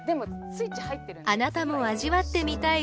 あなたも味わってみたい